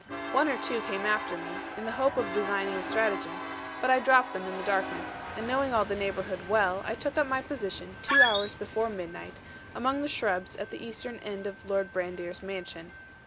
One or two came after me, in the hope of designing a stratagem; but I dropped them in the darkness; and knowing all the neighbourhood well, I took up my position, two hours before midnight, among the shrubs at the eastern end of Lord Brandir's mansion.